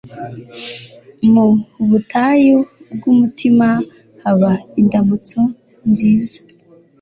Mu butayu bw'umutima haba indamutso nziza